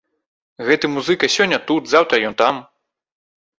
Гэты музыка сёння тут, заўтра ён там.